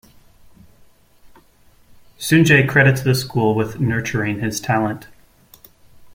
Sunjay credits the school with nurturing his talent.